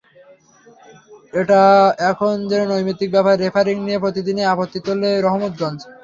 এটা এখন যেন নৈমিত্তিক ব্যাপার, রেফারিং নিয়ে প্রতিদিনই আপত্তি তোলে রহমতগঞ্জ।